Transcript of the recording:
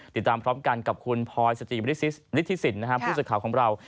ติดตามพร้อมกันกับคุณพลอยสตรีมนิทศิษฐ์พูดจากข่าวของเรา